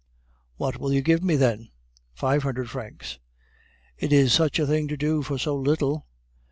"What will you give me then?" "Five hundred francs." "It is such a thing to do for so little!